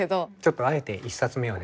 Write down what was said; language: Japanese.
あえて１冊目はですね